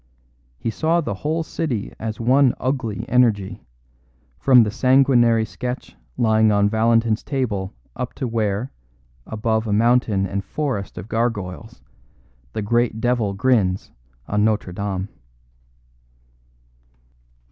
He saw the whole city as one ugly energy, from the sanguinary sketch lying on Valentin's table up to where, above a mountain and forest of gargoyles, the great devil grins on Notre Dame.